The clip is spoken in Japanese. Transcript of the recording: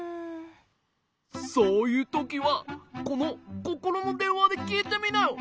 そういうときはこのココロのでんわできいてみなよ！